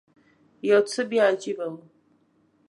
یو څه بیا عجیبه و.